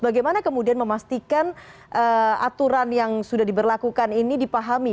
bagaimana kemudian memastikan aturan yang sudah diberlakukan ini dipahami